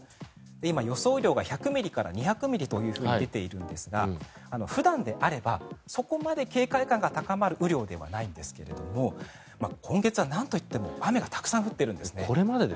今、予想雨量が１００ミリから２００ミリと出ているんですが普段であればそこまで警戒感が高まる雨量ではないんですが今月はなんといっても雨がたくさん降っているんです。